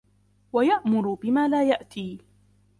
وَيَأْمُرُ بِمَا لَا يَأْتِي